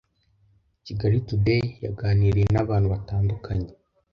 Kigali Today yaganiriye n’abantu batandukanye,